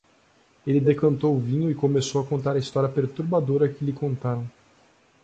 Ele decantou o vinho e começou a contar a história perturbadora que lhe contaram.